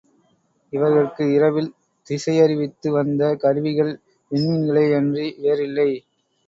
இவர்கட்கு இரவில் திசையறிவித்து வந்த கருவிகள் விண்மீன்களே யன்றி வேறில்லை.